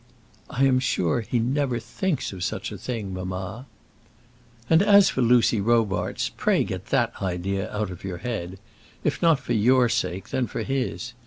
"I am sure he never thinks of such a thing, mamma." "And as for Lucy Robarts, pray get that idea out of your head; if not for your sake, then for his.